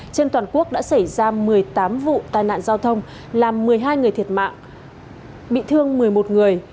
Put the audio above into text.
trên toàn quốc đã xảy ra một mươi tám vụ tai nạn giao thông làm một mươi hai người thiệt mạng bị thương một mươi một người